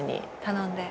頼んで。